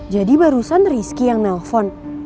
jadi barusan risky yang nelfon